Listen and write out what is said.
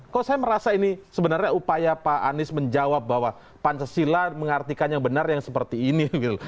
kok saya merasa ini sebenarnya upaya pak anies menjawab bahwa pancasila mengartikan yang benar yang seperti ini gitu